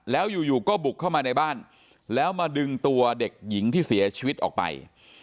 แล้วอยู่ก็บุกเข้ามาในบ้านแล้วมาดึงตัวเด็กหญิงที่เสียชีวิตออกไป